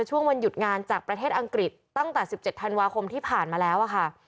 ช่วงวันหยุดงานจากประเทศอังกฤษตั้งแต่๑๗ธันวาคมที่ผ่านมาแล้วค่ะ